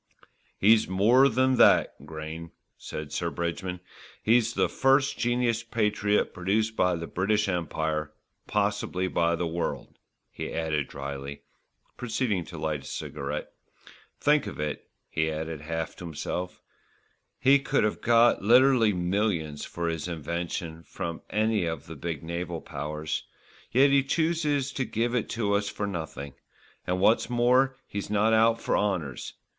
"He's more than that, Grayne," said Sir Bridgman, "he's the first genus patriot produced by the British Empire, possibly by the world," he added drily, proceeding to light a cigarette. "Think of it," he added half to himself, "he could have got literally millions for his invention from any of the big naval powers; yet he chooses to give it to us for nothing, and what's more he's not out for honours.